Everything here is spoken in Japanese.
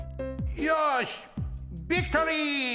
よしビクトリー！